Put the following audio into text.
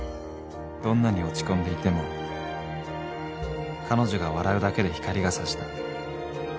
［どんなに落ち込んでいても彼女が笑うだけで光が差した］